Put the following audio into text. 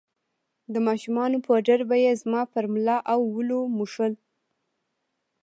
د ماشومانو پوډر به يې زما پر ملا او ولو موښل.